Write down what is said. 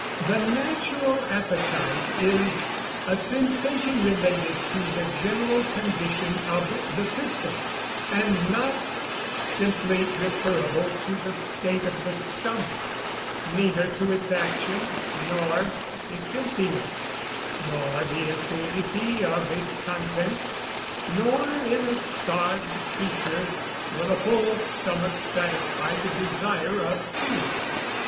"The natural appetite is a sensation related to the general condition of the system, and not simply referable to the state of the stomach; neither to its action, nor its emptiness, nor the acidity of its contents; nor in a starved creature will a full stomach satisfy the desire of food.